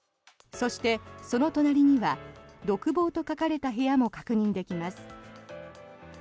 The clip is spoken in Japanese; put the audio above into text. そして、その隣には独房と書かれた部屋も確認できます。